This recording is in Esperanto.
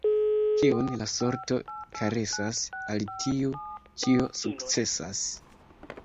Kiun la sorto karesas, al tiu ĉio sukcesas.